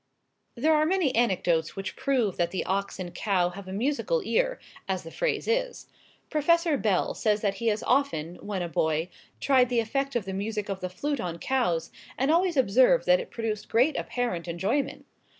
There are many anecdotes which prove that the ox and cow have a musical ear, as the phrase is. Professor Bell says that he has often, when a boy, tried the effect of the music of the flute on cows, and always observed that it produced great apparent enjoyment.